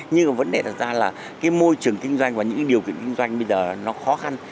nhưng mà vấn đề đặt ra là cái môi trường kinh doanh và những điều kiện kinh doanh bây giờ nó khó khăn